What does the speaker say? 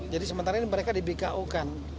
jadi sementara ini mereka di bku kan